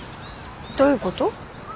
どういうこと？